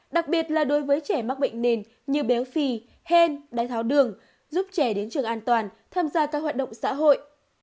đặc biệt là đối với trẻ mắc bệnh nền như béo phì hen đáy tháo đường giúp trẻ đến trường an toàn tham gia các hoạt động xã hội